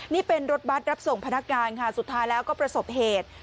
นี่เป็นรถบัตรรับส่งพนักงานค่ะสุดท้ายแล้วก็ประสบเหตุ